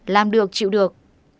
làm được chịu được